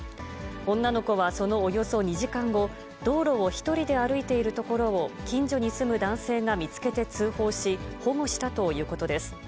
女の子はそのおよそ２時間後、道路を１人で歩いているところを近所に住む男性が見つけて通報し、保護したということです。